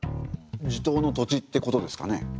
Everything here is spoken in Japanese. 地頭の土地ってことですかね？